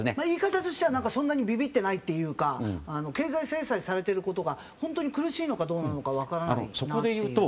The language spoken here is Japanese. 言い方としてはそんなにビビっていないというか経済制裁されていることが本当に苦しいのかどうなのか分からないなっていう。